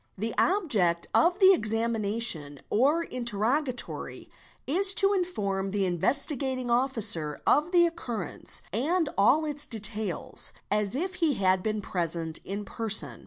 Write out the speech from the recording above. The object of the examination or interrogatory is to inform the Investigating Officer of the occurrence and all its details, as if he had been present in person.